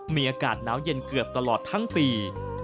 มีอากาศหนาวเย็นเกือบตลอดทั้งปี